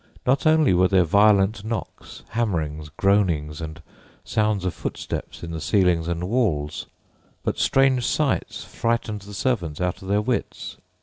Not only were there violent knocks, hammerings, groanings, and sounds of footsteps in the ceilings and walls, out strange sights frightened the servants out of their wits.